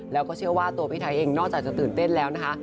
แล้วก็เชื่อว่าตัวพี่ไทยเองนอกจากจะตื่นเต้นแล้วนะคะ